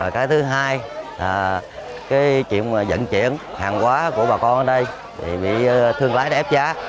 cái thứ hai là cái chuyện dẫn chuyển hàng quá của bà con ở đây thì bị thương lái ép giá